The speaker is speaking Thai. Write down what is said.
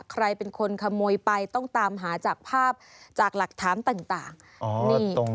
ใครเป็นคนขโมยไปต้องตามหาจากภาพจากหลักฐานต่างนี่